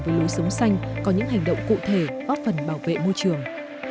với lối sống xanh có những hành động cụ thể góp phần bảo vệ môi trường